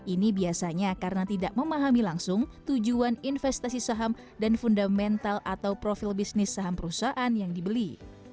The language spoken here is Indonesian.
ini biasanya karena tidak memahami langsung tujuan investasi saham dan fundamental atau profil bisnis saham perusahaan yang dibeli